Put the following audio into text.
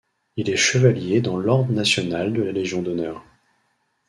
Il est chevalier dans l’Ordre national de la Légion d’honneur.